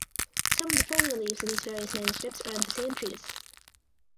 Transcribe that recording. Some of the folio leaves of these various manuscripts are of the same treatise.